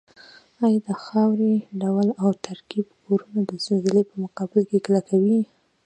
ایا د خاورې ډول او ترکیب کورنه د زلزلې په مقابل کې کلکوي؟